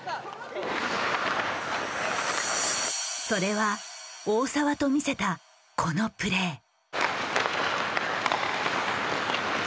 それは大澤と見せたこのプレー。